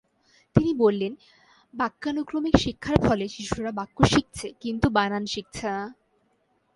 তিনি বললেন, বাক্যানুক্রমিক শিক্ষার ফলে শিশুরা বাক্য শিখছে, কিন্তু বানান শিখছে না।